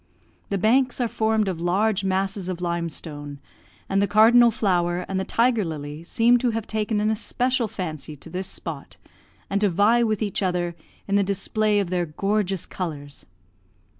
The banks are formed of large masses of limestone; and the cardinal flower and the tiger lily seem to have taken an especial fancy to this spot, and to vie with each other in the display of their gorgeous colours.